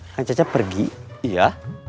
kacanya pergi iya